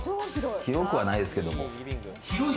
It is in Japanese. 広くはないですけれども。